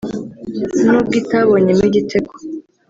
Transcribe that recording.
n’ubwo itabonyemo igitego